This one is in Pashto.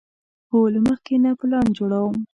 هو، له مخکې نه پلان جوړوم